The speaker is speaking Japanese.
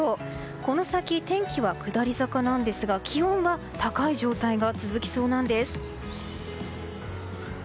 この先、天気は下り坂なんですが気温は高い状態が続きそうなんです。